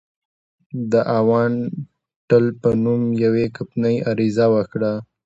د اوانټل په نوم یوې کمپنۍ عریضه وکړه.